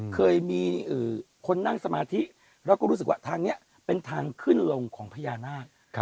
เคยมีคนนั่งสมาธิแล้วก็รู้สึกว่าทางนี้เป็นทางขึ้นลงของพญานาค